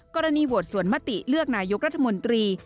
กรณีโหวตส่วนมติเลือกนายกรัฐมนตรี